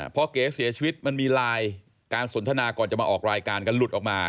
พอเก๋เสียชีวิตมันมีไลน์การสนทนาก่อนจะมาออกรายการกันหลุดออกมา